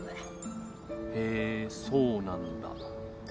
へぇそうなんだ。